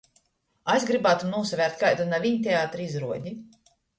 Es grybātum nūsavērt kaidu naviņ teatra izruodi.